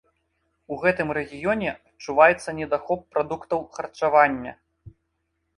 У гэтым рэгіёне адчуваецца недахоп прадуктаў харчавання.